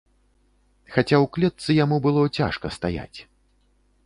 Хаця ў клетцы яму было цяжка стаяць.